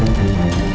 ada apaan sih